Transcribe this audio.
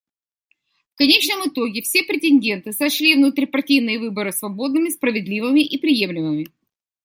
В конечном итоге все претенденты сочли внутрипартийные выборы свободными, справедливыми и приемлемыми.